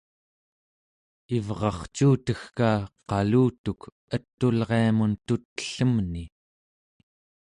ivrarcuutegka qalutuk et'ulriamun tut'ellemni